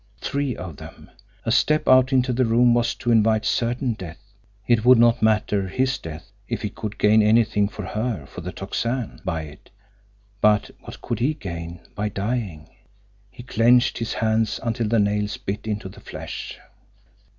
Three of them! A step out into the room was to invite certain death. It would not matter, his death if he could gain anything for her, for the Tocsin, by it. But what could he gain by dying? He clenched his hands until the nails bit into the flesh.